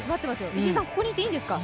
石井さん、ここにいていいんですか。